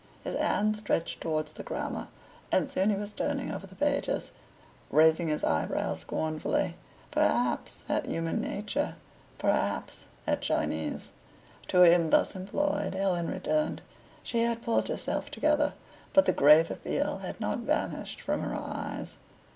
His hand stretched towards the Grammar, and soon he was turning over the pages, raising his eyebrows scornfully, perhaps at human nature, perhaps at Chinese. To him thus employed Helen returned. She had pulled herself together, but the grave appeal had not vanished from her eyes.